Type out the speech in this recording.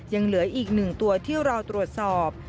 ยังเหลืออีก๑ตัวที่รอตรวจสอบ